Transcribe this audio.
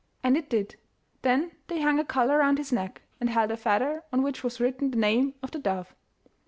And it did. Then they hung a collar round his neck, and held a feather on which was written the name of the dove.